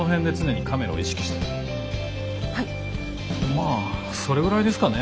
まあそれぐらいですかね。